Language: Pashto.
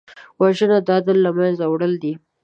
وژنه د عدل له منځه وړل دي